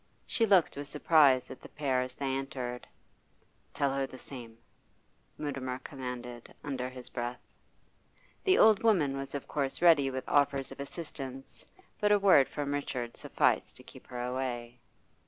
She looked with surprise at the pair as they entered. 'Tell her the same,' Mutimer commanded, under his breath. The old woman was of course ready with offers of assistance, but a word from Richard sufficed to keep her away.